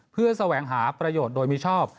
เพื่อแสวงหาประโยชน์โดยมิชอบ